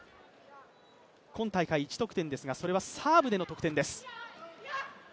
今大会、１得点ですがサーブでの得点です。